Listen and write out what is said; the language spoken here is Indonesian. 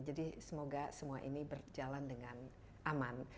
jadi semoga semua ini berjalan dengan aman